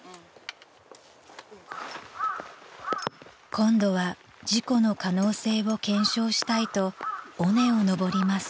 ［今度は事故の可能性を検証したいと尾根を登ります］